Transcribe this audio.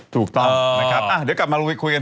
ถูกต้องนะครับเดี๋ยวกลับมาลุยคุยกัน